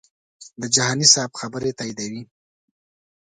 د جهاني صاحب خبرې تاییدوي.